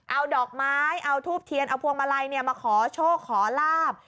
เอาดอกไม้เอาทูบเทียนเอาพวงมาลัยมาขอโชคขอลาบ